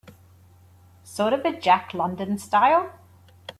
Sort of a Jack London style?